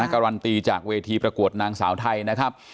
การันตีจากเวทีประกวดนางสาวไทยนะครับ